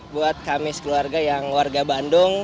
buat kami sekeluarga yang warga bandung